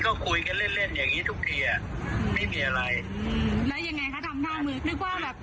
ต้องพิกัดว่าดูปฏิเสธเชิงช้าเท่าไหร่ครับ